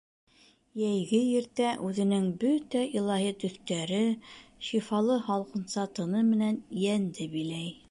Йәйге иртә үҙенең бөтә илаһи төҫтәре, шифалы һалҡынса тыны менән йәнде биләй.